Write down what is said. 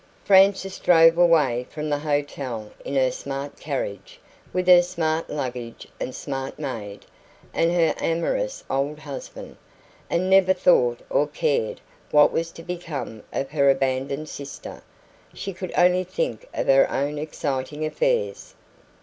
Frances drove away from the hotel in her smart carriage, with her smart luggage and smart maid, and her amorous old husband, and never thought or cared what was to become of her abandoned sister. She could only think of her own exciting affairs.